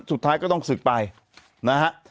สุดท้ายก็ต้องศึกไปนะฮะ